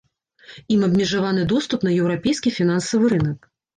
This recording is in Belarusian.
Ім абмежаваны доступ на еўрапейскі фінансавы рынак.